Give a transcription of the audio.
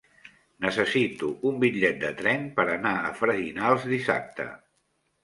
Necessito un bitllet de tren per anar a Freginals dissabte.